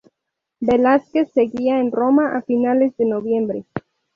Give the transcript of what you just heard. Velázquez seguía en Roma a finales de noviembre.